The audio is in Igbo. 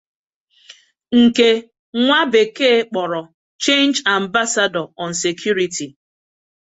nke nwa bekee kpọrọ "Change Ambassador On Security".